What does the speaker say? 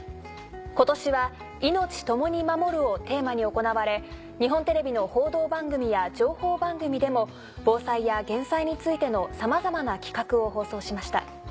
今年は。をテーマに行われ日本テレビの報道番組や情報番組でも防災や減災についてのさまざまな企画を放送しました。